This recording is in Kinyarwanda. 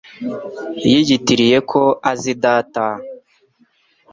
Yiyitiriye ko azi data.